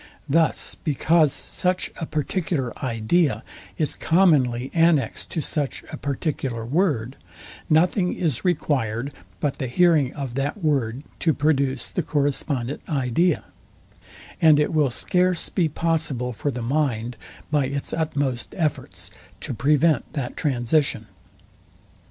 Thus because such a particular idea is commonly annexed to such a particular word, nothing is required but the hearing of that word to produce the correspondent idea; and it will scarce be possible for the mind, by its utmost efforts, to prevent that transition.